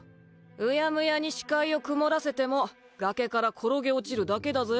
うやむやに視界を曇らせても崖から転げ落ちるだけだぜ。